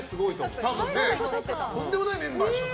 とんでもないメンバーでしょ。